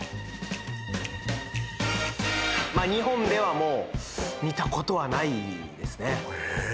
日本ではもう見たことはないですねええー？